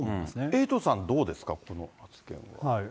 エイトさん、どうですか、この発言は。